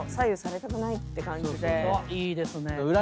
いいですね。